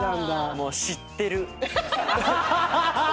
もう知ってる。